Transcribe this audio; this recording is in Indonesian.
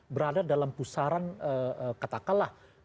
berada dalam pusaran katakanlah